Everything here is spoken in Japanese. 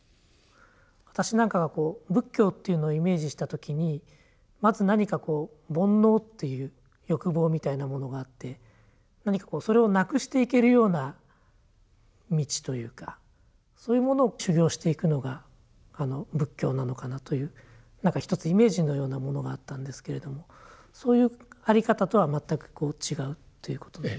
私なんかがこう仏教というのをイメージした時にまず何かこう煩悩っていう欲望みたいなものがあって何かこうそれをなくしていけるような道というかそういうものを修行していくのが仏教なのかなというなんか一つイメージのようなものがあったんですけれどもそういうあり方とは全く違うっていうことで。